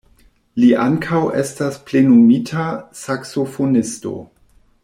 Li ankaŭ estas plenumita saksofonisto.